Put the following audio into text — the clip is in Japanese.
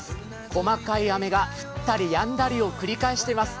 細かい雨が降ったりやんだりを繰り返しています。